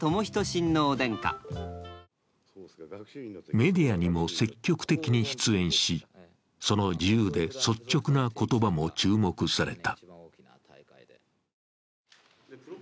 メディアにも積極的に出演しその自由で率直な言葉も注目された。